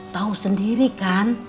tau sendiri kan